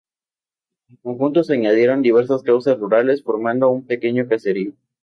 Al conjunto, se añadieron diversas casas rurales, formando un pequeño caserío.